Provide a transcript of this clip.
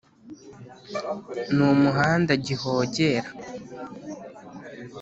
Ni umuhanda gihogera,